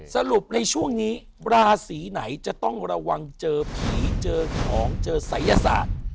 สรุปในช่วงนี้ราศีไหนจะต้องระวังเจอผีเจอของเจอศัยศาสตร์